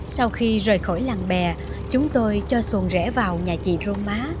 sau khi rời khỏi làng bè chúng tôi cho xuồng rễ vào nhà chị roma